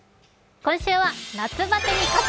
今週は、夏バテに勝つ！